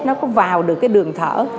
nó có vào được đường thở